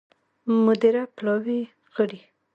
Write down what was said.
مدیره پلاوي غړي